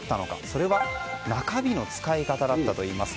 それは中日の使い方だったといいます。